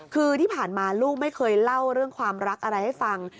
คือที่ผ่านมาลูกไม่เคยเล่าเรื่องความรักอะไรให้ฟัง